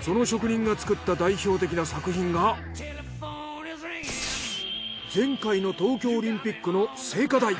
その職人が作った代表的な作品が前回の東京オリンピックの聖火台。